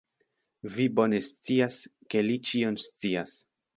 Vi bone scias, ke li ĉion scias.